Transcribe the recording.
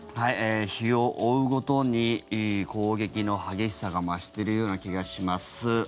日を追うごとに攻撃の激しさが増しているような気がします。